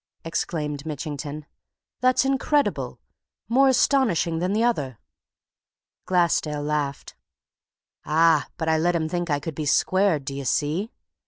exclaimed Mitchington. "That's incredible! more astonishing than the other!" Glassdale laughed. "Ah, but I let him think I could be squared, do you see?"